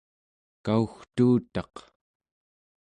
kaugtuutaq²